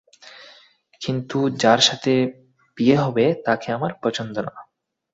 কিন্তু যার সাথে বিয়ে হবে, তাকে আমার পছন্দ না।